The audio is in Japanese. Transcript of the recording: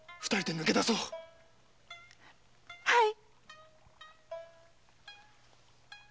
はい。